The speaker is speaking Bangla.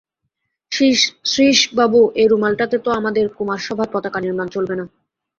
শ্রীশবাবু, এ রুমালটাতে তো আমাদের কুমারসভার পতাকা-নির্মাণ চলবে না।